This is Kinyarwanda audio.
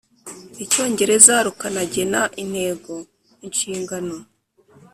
Icyongereza rukanagena intego inshingano